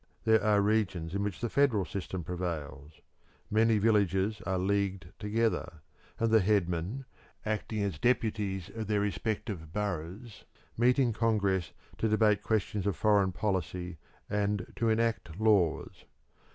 There are regions in which the federal system prevails; many villages are leagued together; and the headmen, acting as deputies of their respective boroughs, meet in congress to debate questions of foreign policy and to enact laws.